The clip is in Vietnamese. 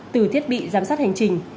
từ thiết bị giám sát hành trình